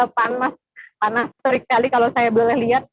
panas panas terik sekali kalau saya boleh lihat